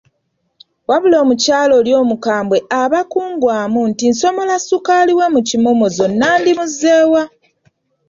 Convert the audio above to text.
Wabula omukyala omukambwe oli aba kungwamu nti nsomola ssukaali we mu kimomozo nandimuzze wa?